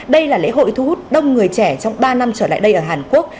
đây là lễ hội thu hút đông người trẻ trong ba năm trở lại đây ở hàn quốc